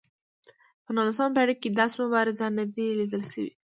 په نولسمه پېړۍ کې داسې مبارز نه دی لیدل شوی.